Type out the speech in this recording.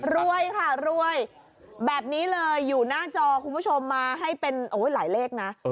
รวยค่ะรวยแบบนี้เลยอยู่หน้าจอคุณผู้ชมมาให้เป็นหลายเลขนะ